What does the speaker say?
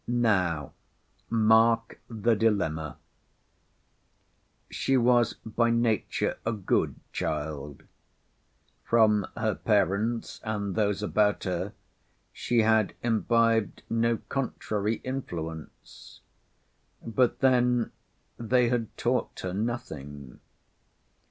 Now mark the dilemma. She was by nature a good child. From her parents and those about her she had imbibed no contrary influence. But then they had taught her nothing.